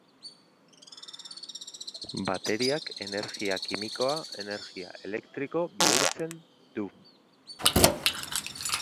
Bateriak energia kimikoa energia elektriko bihurtzen du.